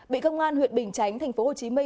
bị công an huyện bình chánh tp hcm